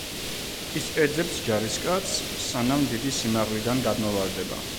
ის ეძებს ჯარისკაცს, სანამ დიდი სიმაღლიდან გადმოვარდება.